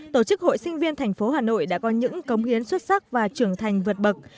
tổ chức hội sinh viên thành phố hà nội đã có những cống hiến xuất sắc và trưởng thành vượt bậc